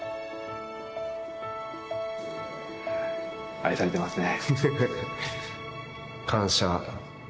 愛されてますね。